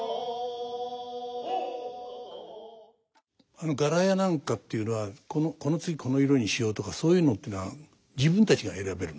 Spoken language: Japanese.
あの柄や何かっていうのは「この次この色にしよう」とかそういうのっていうのは自分たちが選べるの？